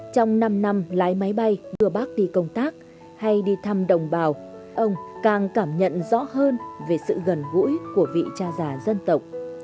trong năm năm lái máy bay đưa bác đi công tác hay đi thăm đồng bào ông càng cảm nhận rõ hơn về sự gần gũi của vị cha già dân tộc